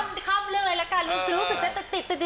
ขอข้ามเรื่องเลยละกันหลุงจริงกลับติด